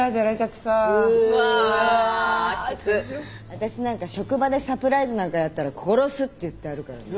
私なんか職場でサプライズなんかやったら殺すって言ってあるからね。